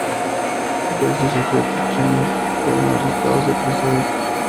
Doce sujetos chinos fueron arrestados y apresados.